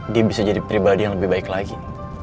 dia bisa jadi pribadi yang lebih baik lagi